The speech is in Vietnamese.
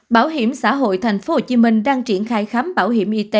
bảo hiểm xã hội tp hcm đang triển khai khám bảo hiểm y tế